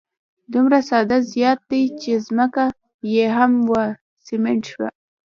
دومره ساده زیارت چې ځمکه یې هم نه وه سیمټ شوې.